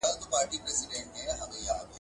تدریس د معلوماتو لېږد دی خو پوهنه بدلون دی.